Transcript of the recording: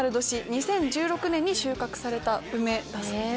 ２０１６年に収穫された梅だそうです。